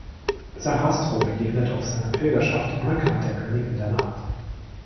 Sarastro begegnet auf seiner Pilgerschaft unerkannt der Königin der Nacht.